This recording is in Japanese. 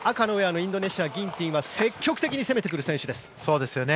インドネシアのギンティンは積極的に攻めてくる選手です。